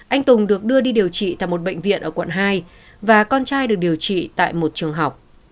anh tùng được đưa đi điều trị tại một bệnh viện ở quận hai và con trai được điều trị tại một trường học